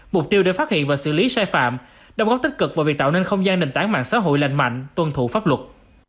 mục tiêu để phát hiện và xử lý sai phạm đồng góp tích cực vào việc tạo nên không gian nền tảng mạng xã hội lành mạnh tuân thủ pháp luật